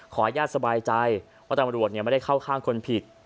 ญาติสบายใจว่าตำรวจไม่ได้เข้าข้างคนผิด